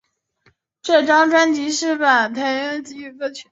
这张专辑是把经典的国语歌曲重新填词与编曲成新的台语歌曲。